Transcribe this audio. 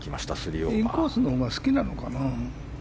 インコースのほうが好きなのかな。